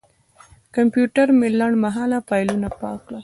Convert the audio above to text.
کمپیوټر مې لنډمهاله فایلونه پاک کړل.